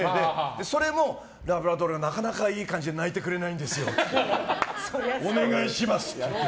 それもラブラドールがなかなかいい感じで鳴いてくれないんですよってお願いしますと言われて。